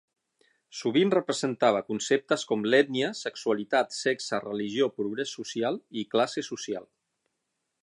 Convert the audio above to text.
Sovint representava conceptes com l'ètnia, sexualitat, sexe, religió, progrés social i classe social.